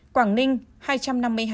quảng ninh hai trăm năm mươi hai